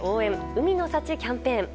海の幸キャンペーン。